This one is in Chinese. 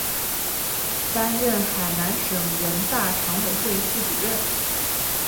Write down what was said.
担任海南省人大常委会副主任。